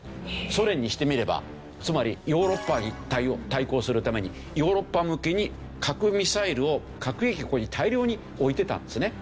ソ連にしてみればつまりヨーロッパ一帯を対抗するためにヨーロッパ向きに核ミサイルを核兵器をここに大量に置いてたんですね。